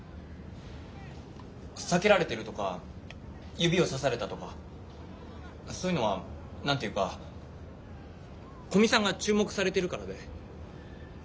避けられてるとか指をさされたとかそういうのは何て言うか古見さんが注目されてるからで。